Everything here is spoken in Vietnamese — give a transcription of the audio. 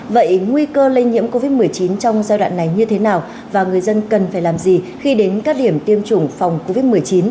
vậy nguy cơ lây nhiễm covid một mươi chín trong giai đoạn này như thế nào và người dân cần phải làm gì khi đến các điểm tiêm chủng phòng covid một mươi chín